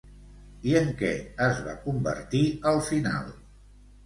I en què es va convertir al final?